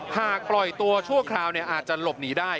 ปล่อยตัวชั่วคราวอาจจะหลบหนีได้